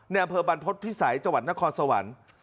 อำเภอบรรพฤษภิษัยจังหวัดนครสวรรค์